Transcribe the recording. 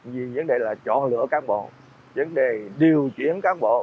vì vấn đề là chọn lựa cán bộ vấn đề điều chuyển cán bộ